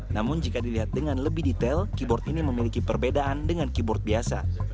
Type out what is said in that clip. namun jika dilihat dengan lebih detail keyboard ini memiliki perbedaan dengan keyboard biasa